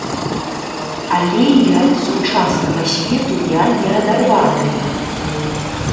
Але і ад сучаснага свету я не адарваная.